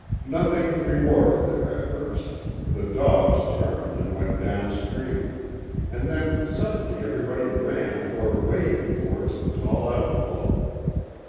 Nothing rewarded their efforts; the dogs turned and went down stream; and then suddenly everybody ran or waded towards the tall outflow.